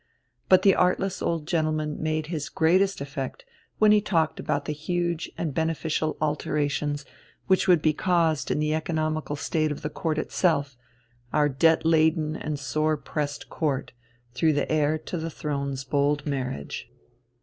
But the artless old gentleman made his greatest effect when he talked about the huge and beneficial alterations which would be caused in the economical state of the Court itself, our debt laden and sore pressed Court, through the heir to the throne's bold marriage.